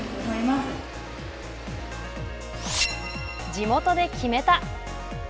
地元で決めた。